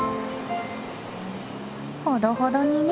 ほどほどにね。